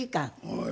はい。